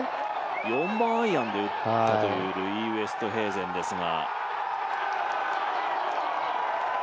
４番アイアンで打ったというルイ・ウェストヘーゼンですが。